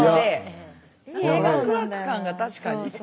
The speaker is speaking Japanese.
ワクワク感が確かに。